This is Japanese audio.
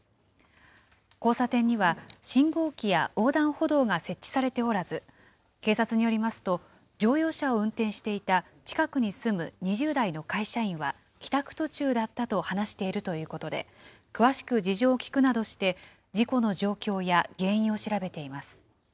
交差点には、信号機や横断歩道が設置されておらず、警察によりますと、乗用車を運転していた近くに住む２０代の会社員は、帰宅途中だったと話しているということで、詳しく事情を聴くなどして、事故の状況や原因を調べています。